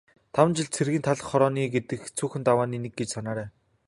Таван жил цэргийн талх хорооно гэдэг хэцүүхэн давааны нэг гэж санаарай.